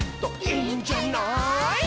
「いいんじゃない」